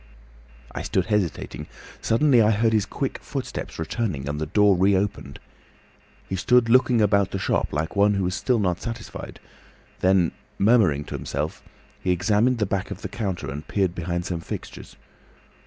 "I stood hesitating. Suddenly I heard his quick footsteps returning, and the door reopened. He stood looking about the shop like one who was still not satisfied. Then, murmuring to himself, he examined the back of the counter and peered behind some fixtures.